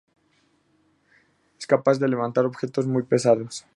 Es capaz de levantar objetos muy pesados.